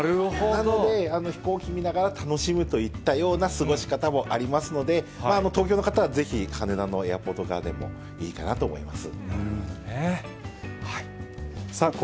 なので、飛行機見ながら楽しむといった過ごし方もありますので、東京の方はぜひ、羽田のエアポートガーデンもいいかなと思います。